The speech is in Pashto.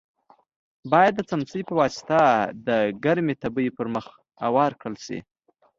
باید د څمڅۍ په واسطه د ګرمې تبۍ پر مخ اوار کړل شي.